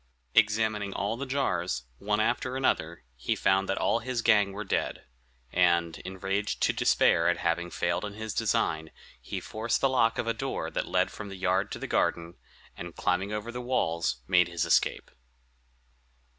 Examining all the jars, one after another, he found that all his gang were dead; and, enraged to despair at having failed in his design, he forced the lock of a door that led from the yard to the garden, and, climbing over the walls, made his escape.